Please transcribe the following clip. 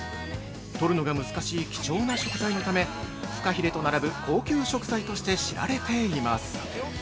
取るのが難しい貴重な食材のためフカヒレと並ぶ高級食材として知られています。